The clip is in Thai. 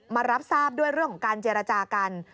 มารับทราบด้วยเรื่องของการเจรจากัน